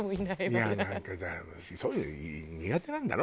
いやなんかそういうの苦手なんだろ？